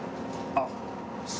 あっ。